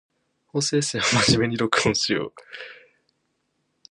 法政生は真面目に録音しよう